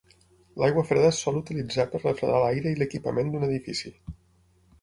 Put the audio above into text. L'aigua freda es sol utilitzar per refredar l'aire i l'equipament d'un edifici.